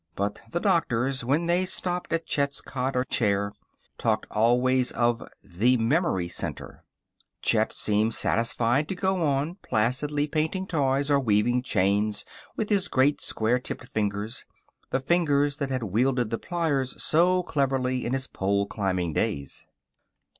But the doctors, when they stopped at Chet's cot or chair, talked always of "the memory center." Chet seemed satisfied to go on placidly painting toys or weaving chains with his great, square tipped fingers the fingers that had wielded the pliers so cleverly in his pole climbing days.